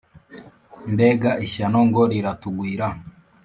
Mbega ishyano ngo riratugwira